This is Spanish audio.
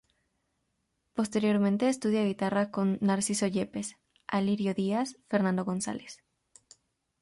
Posteriormente estudia guitarra con Narciso Yepes, Alirio Díaz, Fernando González.